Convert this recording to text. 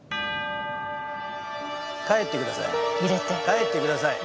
帰ってください。